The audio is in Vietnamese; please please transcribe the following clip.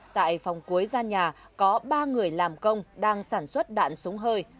tại phòng cuối gian nhà có ba người làm công đang sản xuất đạn súng hơi